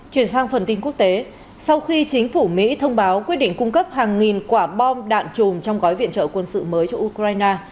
chuyển sang phần tin quốc tế sau khi chính phủ mỹ thông báo quyết định cung cấp hàng nghìn quả bom đạn chùm trong gói viện trợ quân sự mới cho ukraine